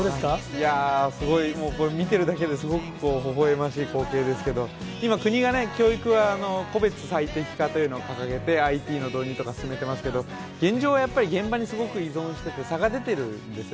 いやー、すごい、もうこれ見てるだけですごくこう、ほほえましい光景ですけど、今、国がね、教育は個別最適化というのを掲げて、ＩＴの導入とか進めてますけど、現状はやっぱり現場にすごく依存してて、差が出てるんですよ